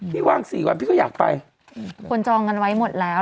พี่ว่างสี่วันพี่ก็อยากไปผู้คนจองเงินไว้หมดแล้ว